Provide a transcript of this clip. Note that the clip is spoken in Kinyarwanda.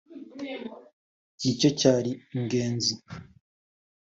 nicyo cyari ingenzi